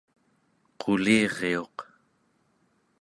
quliriuq